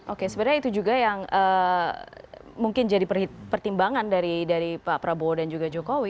oke sebenarnya itu juga yang mungkin jadi pertimbangan dari pak prabowo dan juga jokowi